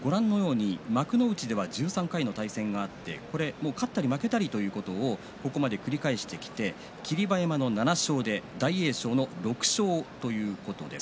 幕内では１３回の対戦があって勝ったり負けたりということをここまで繰り返してきて霧馬山の７勝、大栄翔の６勝ということです。